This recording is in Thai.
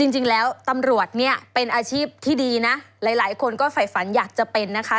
จริงแล้วตำรวจเนี่ยเป็นอาชีพที่ดีนะหลายคนก็ฝ่ายฝันอยากจะเป็นนะคะ